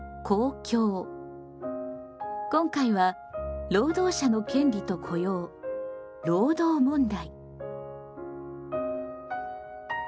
今回は「労働者の権利と雇用・労働問題」。